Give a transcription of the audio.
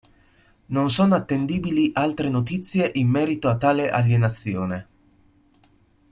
Non sono attendibili altre notizie in merito a tale alienazione.